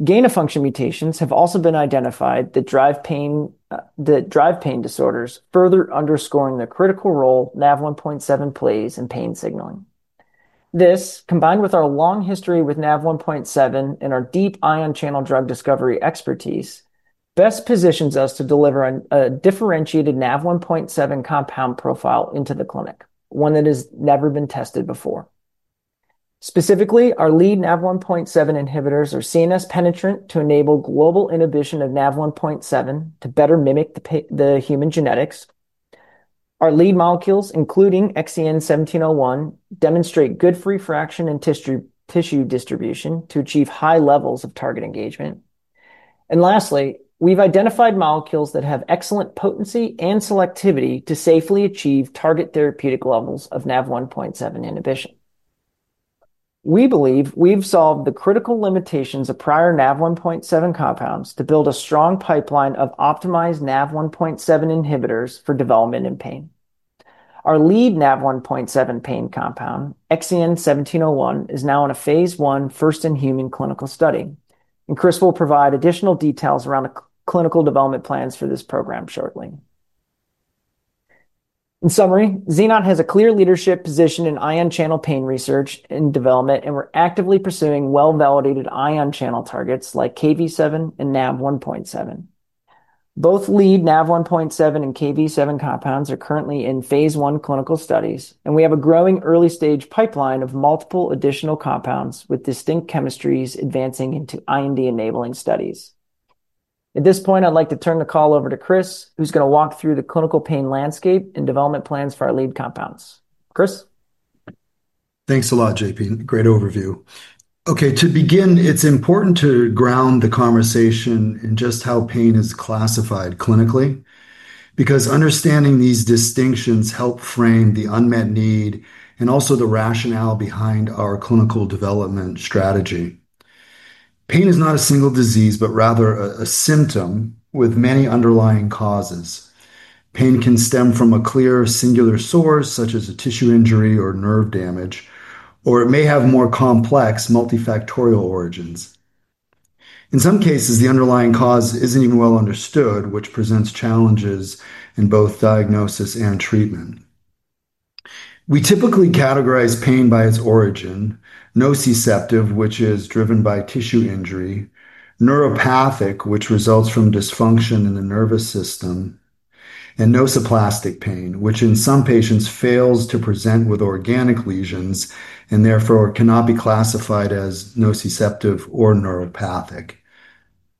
Gain of function mutations have also been identified that drive pain disorders, further underscoring the critical role Nav1.7 plays in pain signaling. This, combined with our long history with Nav1.7 and our deep ion channel drug discovery expertise, best positions us to deliver a differentiated Nav1.7 compound profile into the clinic, one that has never been tested before. Specifically, our lead Nav1.7 inhibitors are CNS-penetrant to enable global inhibition of Nav1.7 to better mimic the human genetics. Our lead molecules, including XEN1701, demonstrate good free fraction and tissue distribution to achieve high levels of target engagement. Lastly, we've identified molecules that have excellent potency and selectivity to safely achieve target therapeutic levels of Nav1.7 inhibition. We believe we've solved the critical limitations of prior Nav1.7 compounds to build a strong pipeline of optimized Nav1.7 inhibitors for development in pain. Our lead Nav1.7 pain compound, XEN1701, is now in a phase I, first-in-human clinical study, and Chris will provide additional details around the clinical development plans for this program shortly. In summary, Xenon has a clear leadership position in ion channel pain research and development, and we're actively pursuing well-validated ion channel targets like Kv7 and Nav1.7. Both lead Nav1.7 and Kv7 compounds are currently in phase I clinical studies, and we have a growing early-stage pipeline of multiple additional compounds with distinct chemistries advancing into IND-enabling studies. At this point, I'd like to turn the call over to Chris, who's going to walk through the clinical pain landscape and development plans for our lead compounds. Chris?
Thanks a lot, JP. Great overview. Okay, to begin, it's important to ground the conversation in just how pain is classified clinically because understanding these distinctions helps frame the unmet need and also the rationale behind our clinical development strategy. Pain is not a single disease, but rather a symptom with many underlying causes. Pain can stem from a clear singular source, such as a tissue injury or nerve damage, or it may have more complex multifactorial origins. In some cases, the underlying cause isn't even well understood, which presents challenges in both diagnosis and treatment. We typically categorize pain by its origin: nociceptive, which is driven by tissue injury, neuropathic, which results from dysfunction in the nervous system, and nociplastic pain, which in some patients fails to present with organic lesions and therefore cannot be classified as nociceptive or neuropathic,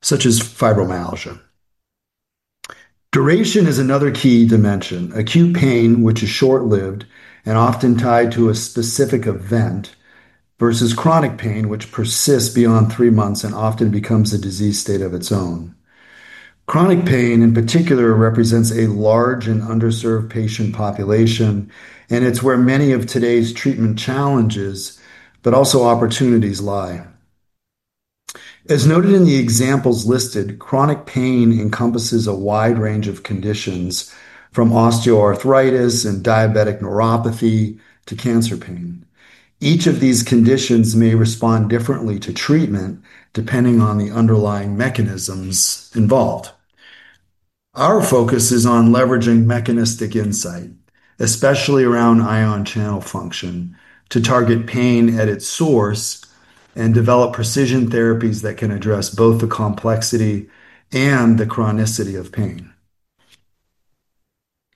such as fibromyalgia. Duration is another key dimension. Acute pain, which is short-lived and often tied to a specific event, versus chronic pain, which persists beyond three months and often becomes a disease state of its own. Chronic pain, in particular, represents a large and underserved patient population, and it's where many of today's treatment challenges, but also opportunities, lie. As noted in the examples listed, chronic pain encompasses a wide range of conditions, from osteoarthritis and diabetic neuropathy to cancer pain. Each of these conditions may respond differently to treatment depending on the underlying mechanisms involved. Our focus is on leveraging mechanistic insight, especially around ion channel function, to target pain at its source and develop precision therapies that can address both the complexity and the chronicity of pain.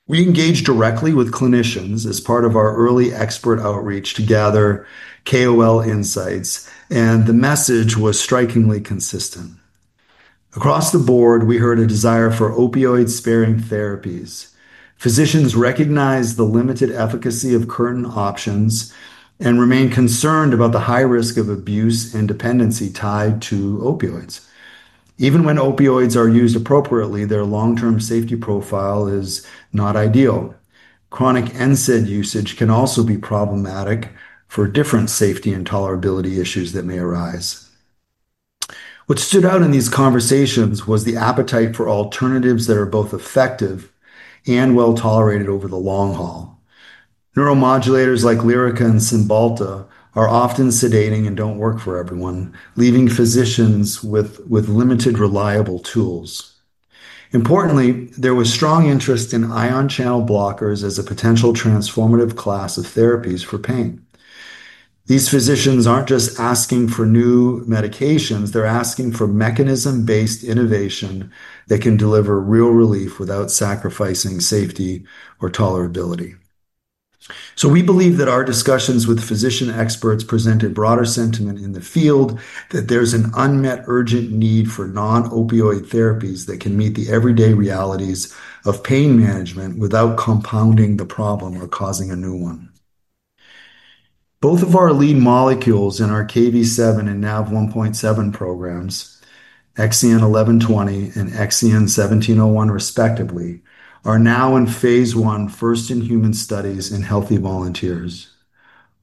We engage directly with clinicians as part of our early expert outreach to gather KOL insights, and the message was strikingly consistent. Across the board, we heard a desire for opioid-sparing therapies. Physicians recognize the limited efficacy of current options and remain concerned about the high risk of abuse and dependency tied to opioids. Even when opioids are used appropriately, their long-term safety profile is not ideal. Chronic NSAID usage can also be problematic for different safety and tolerability issues that may arise. What stood out in these conversations was the appetite for alternatives that are both effective and well-tolerated over the long haul. Neuromodulators like Lyrica and Cymbalta are often sedating and don't work for everyone, leaving physicians with limited reliable tools. Importantly, there was strong interest in ion channel blockers as a potential transformative class of therapies for pain. These physicians aren't just asking for new medications; they're asking for mechanism-based innovation that can deliver real relief without sacrificing safety or tolerability. We believe that our discussions with physician experts present a broader sentiment in the field that there's an unmet urgent need for non-opioid therapies that can meet the everyday realities of pain management without compounding the problem or causing a new one. Both of our lead molecules in our Kv7 and Nav1.7 programs, XEN1120 and XEN1701, respectively, are now in phase I, first-in-human studies in healthy volunteers.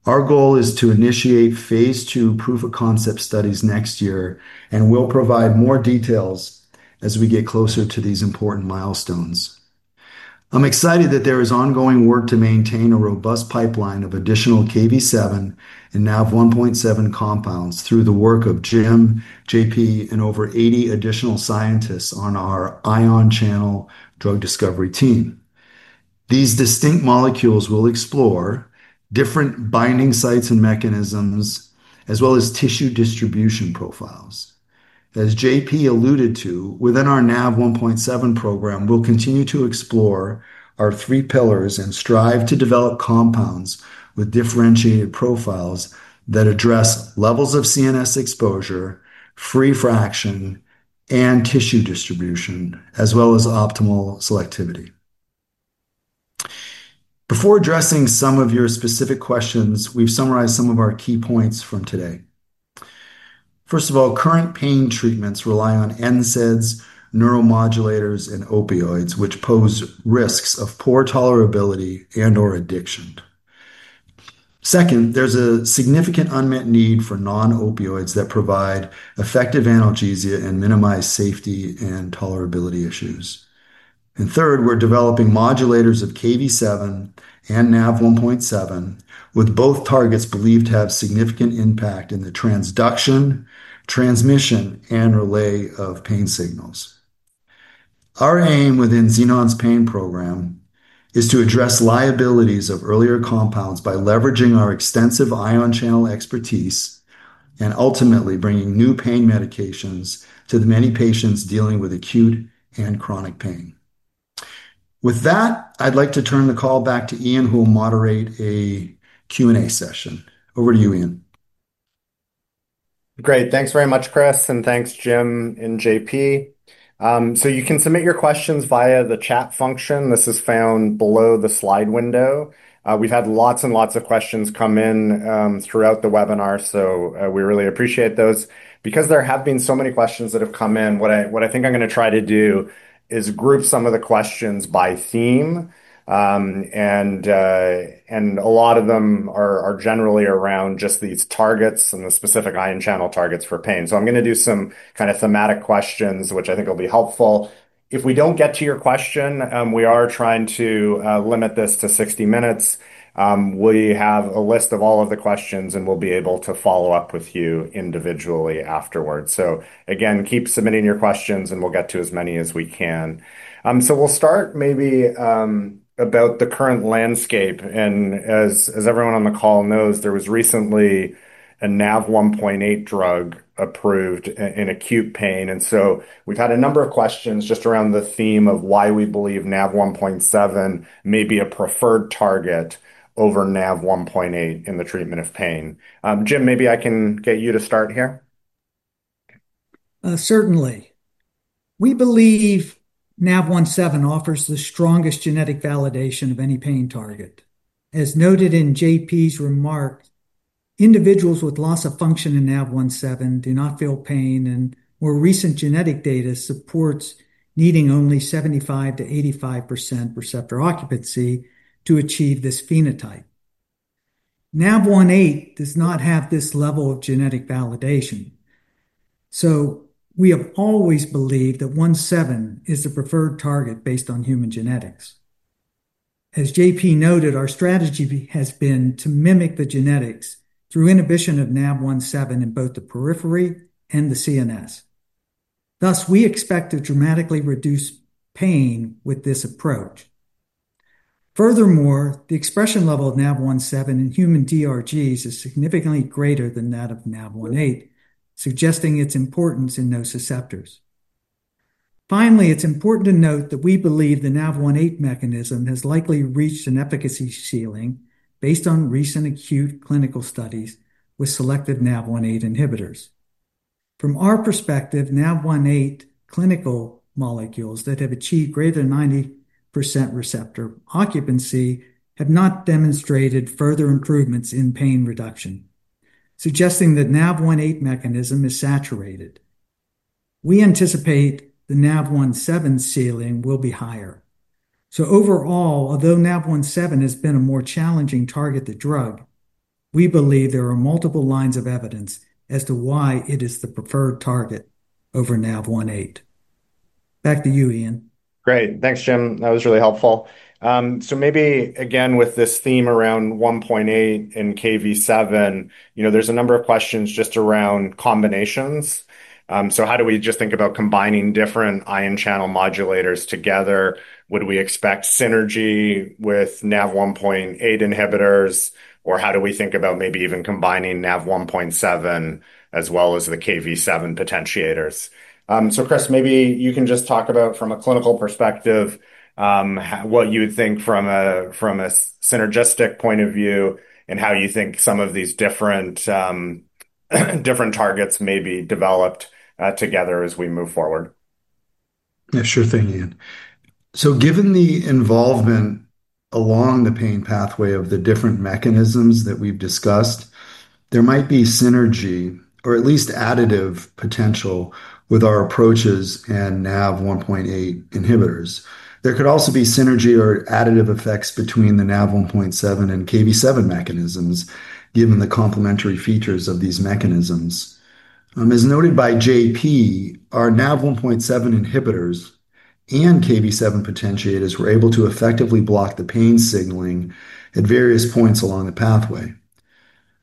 Our goal is to initiate phase II proof-of-concept studies next year, and we'll provide more details as we get closer to these important milestones. I'm excited that there is ongoing work to maintain a robust pipeline of additional Kv7 and Nav1.7 compounds through the work of Jim, JP, and over 80 additional scientists on our ion channel drug discovery team. These distinct molecules will explore different binding sites and mechanisms, as well as tissue distribution profiles. As JP alluded to, within our Nav1.7 program, we'll continue to explore our three pillars and strive to develop compounds with differentiated profiles that address levels of CNS exposure, free fraction, and tissue distribution, as well as optimal selectivity. Before addressing some of your specific questions, we've summarized some of our key points from today. First of all, current pain treatments rely on NSAIDs, neuromodulators, and opioids, which pose risks of poor tolerability and/or addiction. Second, there's a significant unmet need for non-opioids that provide effective analgesia and minimize safety and tolerability issues. Third, we're developing modulators of Kv7 and Nav1.7, with both targets believed to have significant impact in the transduction, transmission, and relay of pain signals. Our aim within Xenon's pain program is to address liabilities of earlier compounds by leveraging our extensive ion channel expertise and ultimately bringing new pain medications to the many patients dealing with acute and chronic pain. With that, I'd like to turn the call back to Ian, who will moderate a Q&A session. Over to you, Ian.
Great. Thanks very much, Chris, and thanks, Jim and JP. You can submit your questions via the chat function. This is found below the slide window. We've had lots and lots of questions come in throughout the webinar, so we really appreciate those. Because there have been so many questions that have come in, what I think I'm going to try to do is group some of the questions by theme, and a lot of them are generally around just these targets and the specific ion channel targets for pain. I'm going to do some kind of thematic questions, which I think will be helpful. If we don't get to your question, we are trying to limit this to 60 minutes. We have a list of all of the questions, and we'll be able to follow up with you individually afterwards. Again, keep submitting your questions, and we'll get to as many as we can. We'll start maybe about the current landscape. As everyone on the call knows, there was recently a Nav1.8 drug approved in acute pain. We've had a number of questions just around the theme of why we believe Nav1.7 may be a preferred target over Nav1.8 in the treatment of pain. Jim, maybe I can get you to start here.
Certainly. We believe Nav1.7 offers the strongest genetic validation of any pain target. As noted in JP's remarks, individuals with loss of function in Nav1.7 do not feel pain, and more recent genetic data supports needing only 75%-85% receptor occupancy to achieve this phenotype. Nav1.8 does not have this level of genetic validation. We have always believed that 1.7 is the preferred target based on human genetics. As JP noted, our strategy has been to mimic the genetics through inhibition of Nav1.7 in both the periphery and the CNS. Thus, we expect to dramatically reduce pain with this approach. Furthermore, the expression level of Nav1.7 in human DRGs is significantly greater than that of Nav1.8, suggesting its importance in nociceptors. Finally, it's important to note that we believe the Nav1.8 mechanism has likely reached an efficacy ceiling based on recent acute clinical studies with selective Nav1.8 inhibitors. From our perspective, Nav1.8 clinical molecules that have achieved greater than 90% receptor occupancy have not demonstrated further improvements in pain reduction, suggesting that Nav1.8 mechanism is saturated. We anticipate the Nav1.7 ceiling will be higher. Overall, although Nav1.7 has been a more challenging target to drug, we believe there are multiple lines of evidence as to why it is the preferred target over Nav1.8. Back to you, Ian.
Great. Thanks, Jim. That was really helpful. Maybe again with this theme around 1.8 and Kv7, you know there's a number of questions just around combinations. How do we just think about combining different ion channel modulators together? Would we expect synergy with Nav1.8 inhibitors, or how do we think about maybe even combining Nav1.7 as well as the Kv7 potentiators? Chris, maybe you can just talk about from a clinical perspective what you would think from a synergistic point of view and how you think some of these different targets may be developed together as we move forward.
Yeah, sure thing, Ian. Given the involvement along the pain pathway of the different mechanisms that we've discussed, there might be synergy or at least additive potential with our approaches and Nav1.8 inhibitors. There could also be synergy or additive effects between the Nav1.7 and Kv7 mechanisms given the complementary features of these mechanisms. As noted by JP, our Nav1.7 inhibitors and Kv7 potentiators were able to effectively block the pain signaling at various points along the pathway.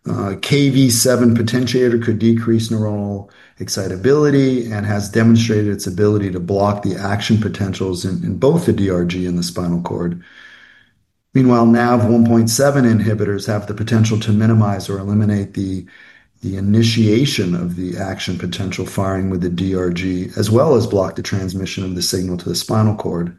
Kv7 potentiator could decrease neuronal excitability and has demonstrated its ability to block the action potentials in both the DRG and the spinal cord. Meanwhile, Nav1.7 inhibitors have the potential to minimize or eliminate the initiation of the action potential firing with the DRG, as well as block the transmission of the signal to the spinal cord.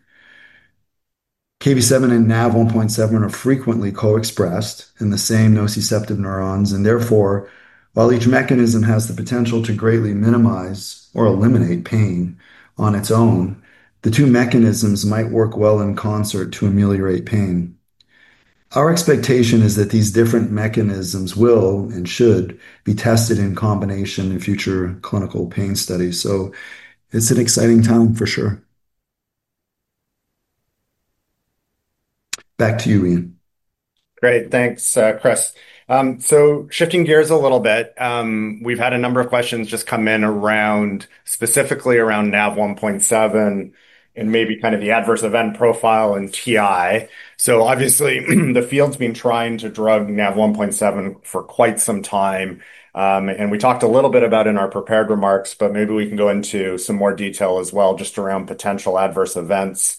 Kv7 and Nav1.7 are frequently co-expressed in the same nociceptive neurons, and therefore, while each mechanism has the potential to greatly minimize or eliminate pain on its own, the two mechanisms might work well in concert to ameliorate pain. Our expectation is that these different mechanisms will and should be tested in combination in future clinical pain studies. It's an exciting time for sure. Back to you, Ian.
Great. Thanks, Chris. Shifting gears a little bit, we've had a number of questions just come in specifically around Nav1.7 and maybe kind of the adverse event profile and TI. Obviously, the field's been trying to drug Nav1.7 for quite some time, and we talked a little bit about it in our prepared remarks, but maybe we can go into some more detail as well just around potential adverse events.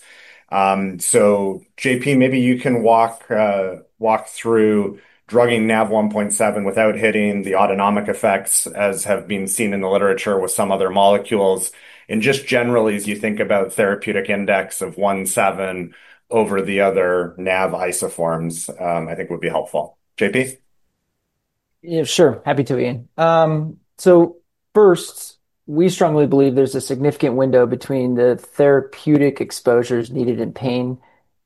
JP, maybe you can walk through drugging Nav1.7 without hitting the autonomic effects, as have been seen in the literature with some other molecules, and just generally as you think about therapeutic index of 1.7 over the other Nav isoforms, I think would be helpful. JP?
Yeah, sure. Happy to, Ian. First, we strongly believe there's a significant window between the therapeutic exposures needed in pain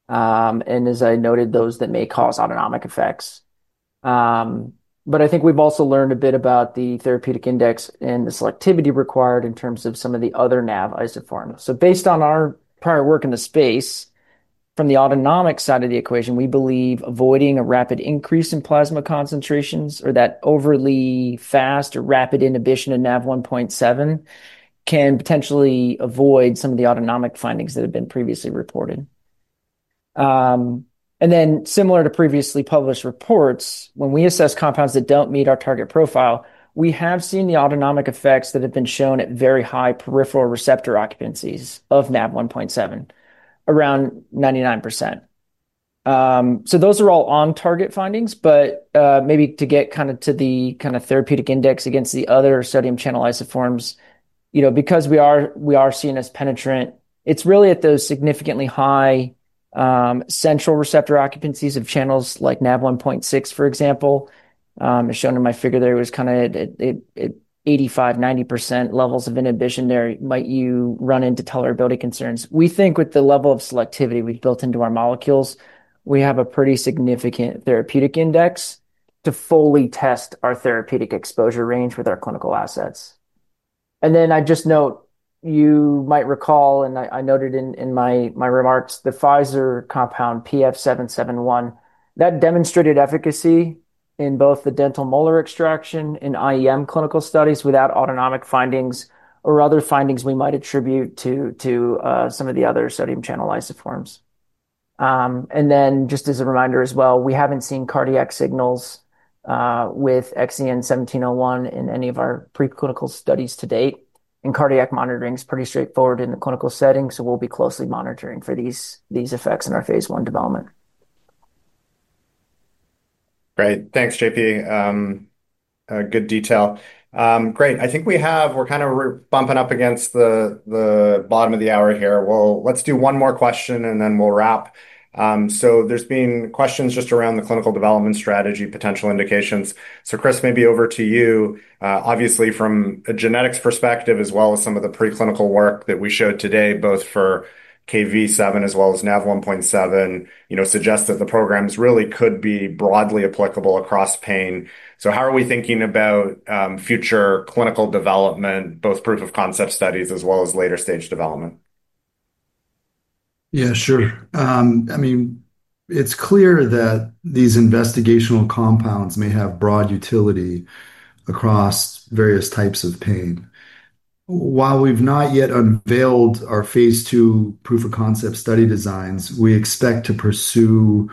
and, as I noted, those that may cause autonomic effects. I think we've also learned a bit about the therapeutic index and the selectivity required in terms of some of the other Nav isoforms. Based on our prior work in the space, from the autonomic side of the equation, we believe avoiding a rapid increase in plasma concentrations or that overly fast or rapid inhibition in Nav1.7 can potentially avoid some of the autonomic findings that have been previously reported. Similar to previously published reports, when we assess compounds that don't meet our target profile, we have seen the autonomic effects that have been shown at very high peripheral receptor occupancies of Nav1.7, around 99%. Those are all on-target findings, but maybe to get to the kind of therapeutic index against the other sodium channel isoforms, because we are CNS-penetrant, it's really at those significantly high central receptor occupancies of channels like Nav1.6, for example. As shown in my figure there, it was at 85%, 90% levels of inhibition there might you run into tolerability concerns. We think with the level of selectivity we've built into our molecules, we have a pretty significant therapeutic index to fully test our therapeutic exposure range with our clinical assets. I just note, you might recall, and I noted in my remarks, the Pfizer compound PF-771, that demonstrated efficacy in both the dental molar extraction and IEM clinical studies without autonomic findings or other findings we might attribute to some of the other sodium channel isoforms. Just as a reminder as well, we haven't seen cardiac signals with XEN1701 in any of our preclinical studies to date, and cardiac monitoring is pretty straightforward in the clinical setting, so we'll be closely monitoring for these effects in our phase I development.
Great. Thanks, JP. Good detail. I think we have, we're kind of bumping up against the bottom of the hour here. Let's do one more question, and then we'll wrap. There's been questions just around the clinical development strategy, potential indications. Chris, maybe over to you. Obviously, from a genetics perspective, as well as some of the preclinical work that we showed today, both for Kv7 as well as Nav1.7, suggests that the programs really could be broadly applicable across pain. How are we thinking about future clinical development, both proof-of-concept studies as well as later-stage development?
Yeah, sure. I mean, it's clear that these investigational compounds may have broad utility across various types of pain. While we've not yet unveiled our phase II proof-of-concept study designs, we expect to pursue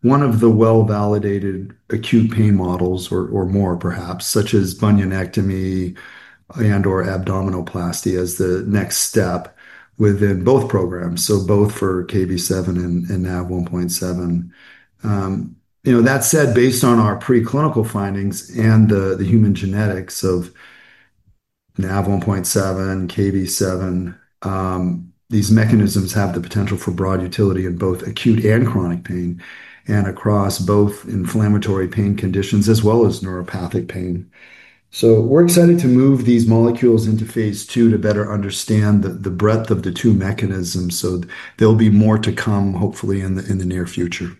one of the well-validated acute pain models or more, perhaps, such as bunionectomy and/or abdominoplasty as the next step within both programs, so both for Kv7 and Nav1.7. That said, based on our preclinical findings and the human genetics of Nav1.7, Kv7, these mechanisms have the potential for broad utility in both acute and chronic pain and across both inflammatory pain conditions as well as neuropathic pain. We're excited to move these molecules into phase II to better understand the breadth of the two mechanisms, so there'll be more to come, hopefully, in the near future.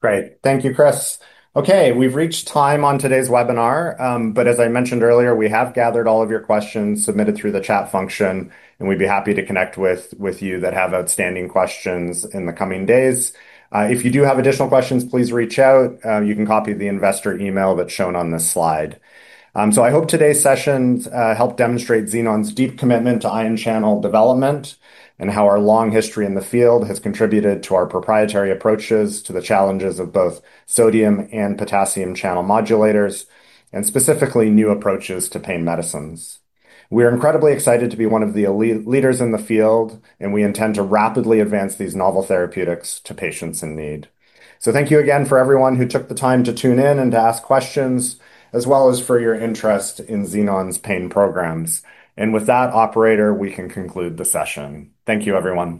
Great. Thank you, Chris. Okay, we've reached time on today's webinar, but as I mentioned earlier, we have gathered all of your questions submitted through the chat function, and we'd be happy to connect with you that have outstanding questions in the coming days. If you do have additional questions, please reach out. You can copy the investor email that's shown on this slide. I hope today's sessions helped demonstrate Xenon's deep commitment to ion channel development and how our long history in the field has contributed to our proprietary approaches to the challenges of both sodium and potassium channel modulators, and specifically new approaches to pain medicines. We are incredibly excited to be one of the leaders in the field, and we intend to rapidly advance these novel therapeutics to patients in need. Thank you again for everyone who took the time to tune in and to ask questions, as well as for your interest in Xenon's pain programs. With that, operator, we can conclude the session. Thank you, everyone.